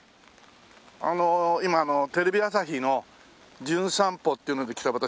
あの今テレビ朝日の『じゅん散歩』っていうので来た私